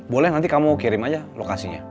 boleh nanti kamu kirim aja lokasinya